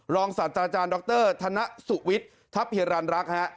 ศาสตราจารย์ดรธนสุวิทย์ทัพเฮียรันรักษ์ฮะ